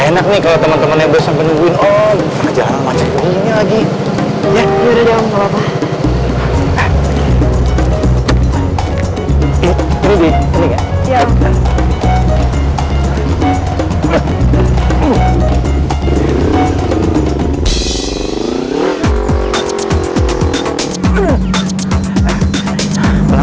enak negeri teman temannya besar menunggu lebih jauh